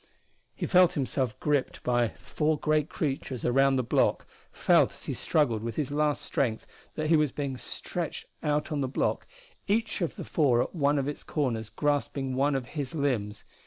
He felt himself gripped by the four great creatures around the block, felt as he struggled with his last strength that he was being stretched out on the block, each of the four at one of its corners grasping one of his limbs.